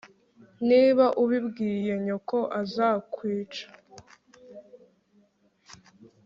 Niba ubibwiye nyoko azakwica